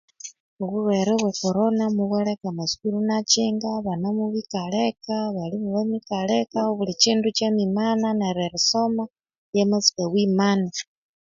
Obulhwere bwe Corona mubwaleka amasukuru iniakyinga abana mubikaleka abahalimu bamikaleka obulikindu kyamimana nere erisoma lyamatsuka bwimana